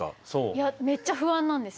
いやめっちゃ不安なんですよ。